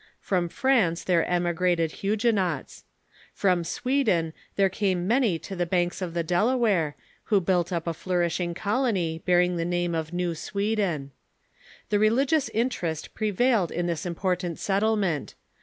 From France there emigrated p.?^?o".!fi llucjuenots. From Sweden there came many to the banks of the Delaware, who built up a flourishing col ony bearing the name of New Sweden. The religious interest prevailed in this important settlement.